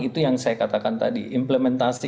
itu yang saya katakan tadi implementasi